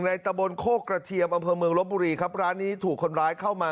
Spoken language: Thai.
ตะบนโคกกระเทียมอำเภอเมืองลบบุรีครับร้านนี้ถูกคนร้ายเข้ามา